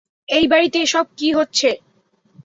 এই বাড়িতে এসব কী হচ্ছে?